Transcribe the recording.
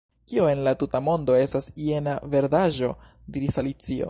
"Kio en la tuta mondo estas jena verdaĵo?" diris Alicio, "